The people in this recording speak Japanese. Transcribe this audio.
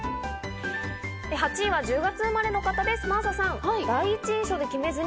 ８位は１０月生まれの方です、真麻さん。